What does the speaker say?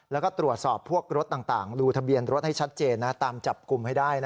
แล้วก็ตรวจสอบพวกรถต่างดูทะเบียนรถให้ชัดเจนตามจับกลุ่มให้ได้